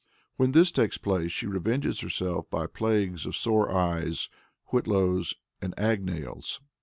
When this takes place, she revenges herself by plagues of sore eyes, whitlows and agnails.